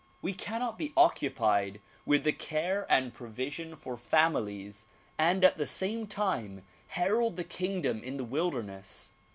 We cannot be occupied with the care and provision for families and at the same time herald the kingdom in the wilder ness.